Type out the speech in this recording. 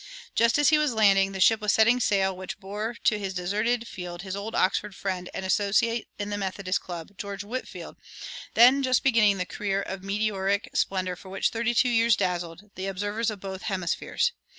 Just as he was landing, the ship was setting sail which bore to his deserted field his old Oxford friend and associate in "the Methodist Club," George Whitefield, then just beginning the career of meteoric splendor which for thirty two years dazzled the observers of both hemispheres.